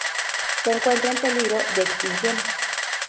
Se encuentra en peligro de extinción.